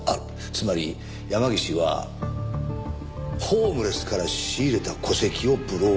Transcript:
つまり山岸はホームレスから仕入れた戸籍をブローカーに流していた。